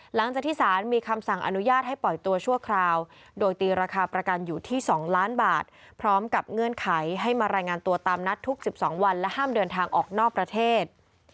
หลังจากที่สารมีคำสั่งอนุญาตให้ปล่อยตัวชั่วคราวโดยตีราคาประกันอยู่ที่๒ล้านบาทพร้อมกับเงื่อนไขให้มารายงานตัวตามนัดทุก๑๒วันและห้ามเดินทางออกนอกประเทศ